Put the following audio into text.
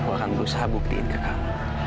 aku akan berusaha buktiin ke kami